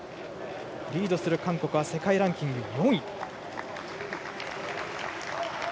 リードする韓国は世界ランキング４位。